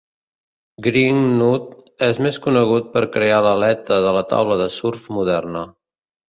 Greenough és més conegut per crear l'aleta de la taula de surf moderna.